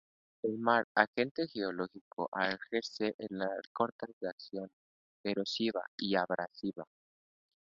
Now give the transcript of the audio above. El mar, agente geológico ejerce en las costas una acción erosiva y abrasiva.